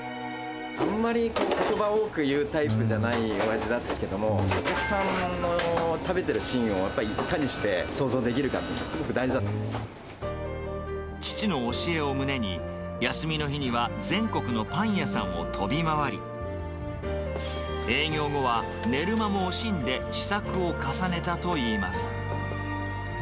あんまりことば多く言うタイプじゃないおやじだったんですけども、お客さんの食べてるシーンをやっぱり想像できるかということが大父の教えを胸に、休みの日には全国のパン屋さんを飛び回り、営業後は寝る間も惜しんで試作を重ねたといいます。